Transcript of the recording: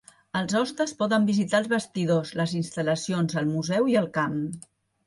Els hostes poden visitar els vestidors, les instal·lacions, el museu i el camp.